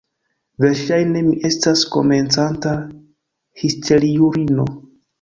Verŝajne, mi estas komencanta histeriulino.